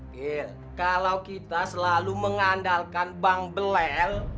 kalau kita selalu mengandalkan bang belel